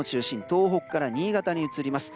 東北から新潟に移ります。